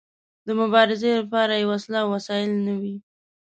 د مبارزې لپاره يې وسله او وسايل نه وي.